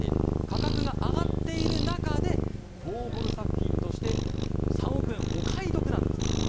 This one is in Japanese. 価格が上がっている中でウォーホル作品として３億円はお買い得なんですと。